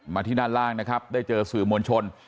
มาที่หน้าล่างได้เจอสือว่ำวนชน